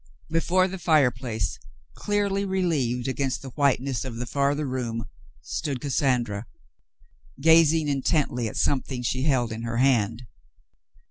Before the fireplace, clearly relieved against the whiteness of the farther room, stood Cassandra, gazing intently at something she held in her hand.